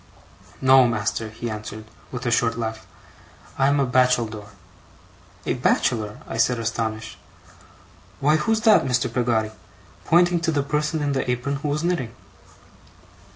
'No, master,' he answered with a short laugh. 'I'm a bacheldore.' 'A bachelor!' I said, astonished. 'Why, who's that, Mr. Peggotty?' pointing to the person in the apron who was knitting.